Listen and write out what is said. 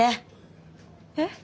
えっ？